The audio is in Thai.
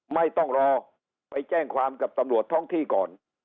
ไม่ต้องรอไปแจ้งความกับตำรวจท้องที่ก่อน